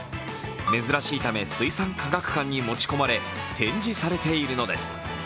珍しいため水産科学館に持ち込まれ展示されているのです。